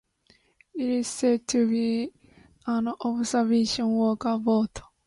It is said to be an observation work boat.